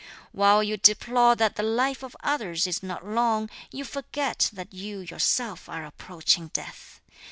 While you deplore that the life of others is not long, You forget that you yourself are approaching death!